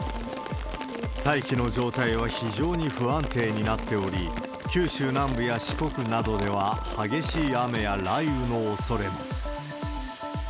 大気の状態は非常に不安定になっており、九州南部や四国などでは、激しい雨や雷雨のおそれも。